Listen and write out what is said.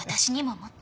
もっと。